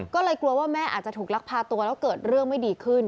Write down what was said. ก็เลยกลัวว่าแม่อาจจะถูกลักพาตัวแล้วเกิดเรื่องไม่ดีขึ้น